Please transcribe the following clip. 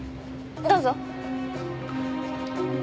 どうぞ。